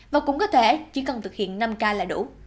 và cũng có thể chỉ cần thực hiện năm k là đủ